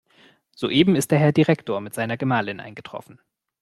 Soeben ist der Herr Direktor mit seiner Gemahlin eingetroffen.